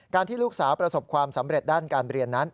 ที่ลูกสาวประสบความสำเร็จด้านการเรียนนั้น